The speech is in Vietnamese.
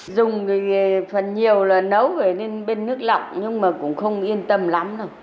dùng phần nhiều là nấu về bên nước lọc nhưng mà cũng không yên tâm lắm đâu